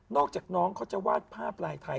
อกจากน้องเขาจะวาดภาพลายไทย